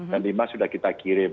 lima sudah kita kirim